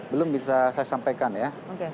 belum bisa saya sampaikan ya